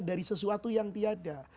dari sesuatu yang tiada